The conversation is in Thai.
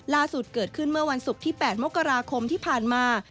ล่าสุดเกิดขึ้นเมื่อวันศุกร์ที่๘มกราคมที่ผ่านมา